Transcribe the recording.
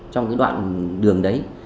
trong cái đoạn đường đấy